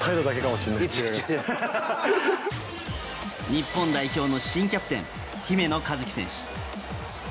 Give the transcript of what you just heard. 日本代表の新キャプテン姫野和樹選手。